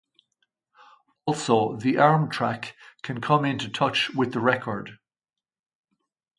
Also the arm track can come into touch with the record.